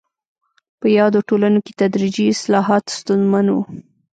په یادو ټولنو کې تدریجي اصلاحات ستونزمن وو.